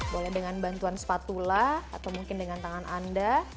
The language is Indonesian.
boleh dengan bantuan spatula atau mungkin dengan tangan anda